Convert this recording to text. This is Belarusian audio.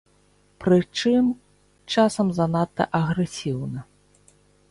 Прычым, часам занадта агрэсіўна.